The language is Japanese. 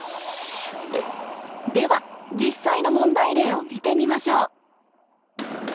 では実際の問題例を見てみましょう。